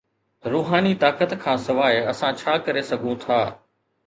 روحاني طاقت کان سواء، اسان ڇا ڪري سگهون ٿا؟